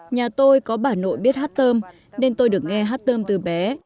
nhà tôi có bà nội biết hát tôm nên tôi được nghe hát tôm từ bé